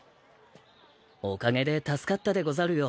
おかげで助かったでござるよ。